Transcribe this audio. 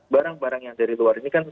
barang barang yang dari luar ini kan